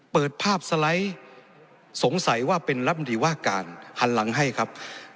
เปิดภาพสไลด์สงสัยว่าเป็นรัฐมนตรีว่าการหันหลังให้ครับ